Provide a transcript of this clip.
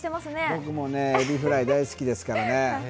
僕もエビフライ大好きですからね。